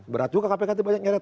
berat juga kpk itu banyak nyeret